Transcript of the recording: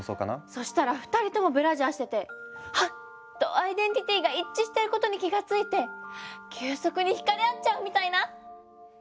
そしたら２人ともブラジャーしてて「はっ！」とアイデンティティーが一致してることに気が付いて急速に惹かれ合っちゃうみたいな？